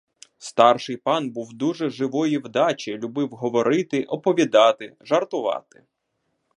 Старший пан був дуже живої вдачі, любив говорити, оповідати, жартувати.